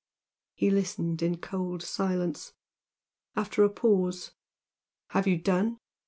He listened in cold silence. After a pause "Have you done?"